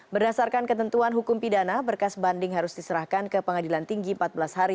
berdasarkan ketentuan hukum pidana berkas banding harus diserahkan ke pengadilan tinggi empat belas hari